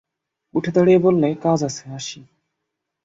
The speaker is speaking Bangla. উঠে দাঁড়িয়ে বললে, কাজ আছে, আসি।